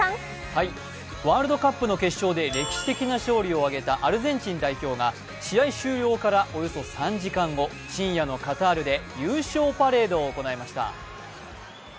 ワールドカップの決勝で歴史的な勝利を挙げたアルゼンチン代表が試合終了からおよそ３時間後深夜のカタールで優勝パレードを行いました。